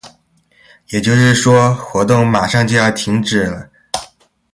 也就是说，活动马上就要停止了。